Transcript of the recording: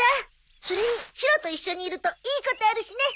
それにシロと一緒にいるといいことあるしね。